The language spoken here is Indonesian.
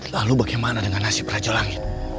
lalu bagaimana dengan nasib raja langit